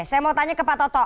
saya mau tanya ke pak toto